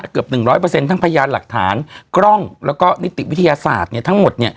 เกือบ๑๐๐ทั้งพยานหลักฐานกล้องแล้วก็นิติวิทยาศาสตร์ทั้งหมด